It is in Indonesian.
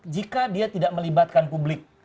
jika dia tidak melibatkan publik